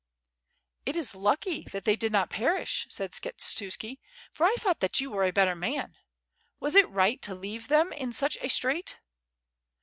"It is lucky that they did not perish," said Skshetuski, "for I thought that you were a better man. Was it right to leave them in such a strait?"